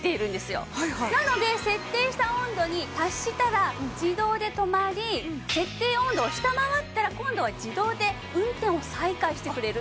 なので設定した温度に達したら自動で止まり設定温度を下回ったら今度は自動で運転を再開してくれるという事なんです。